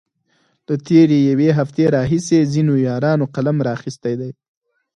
له تېرې يوې هفتې راهيسې ځينو يارانو قلم را اخستی دی.